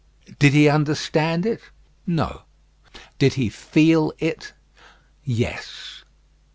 Did he understand it? No. Did he feel it? Yes.